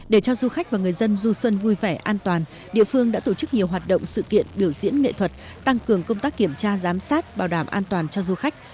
để cho du khách và người dân du xuân vui vẻ an toàn địa phương đã tổ chức nhiều hoạt động sự kiện biểu diễn nghệ thuật tăng cường công tác kiểm tra giám sát bảo đảm an toàn cho du khách